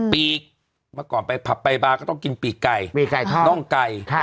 ปีกมาก่อนพับไปบาร์ก็ต้องกินปีกไก่น้องไก่